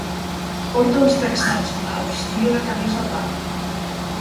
Porta uns texans blaus i una camisa blava.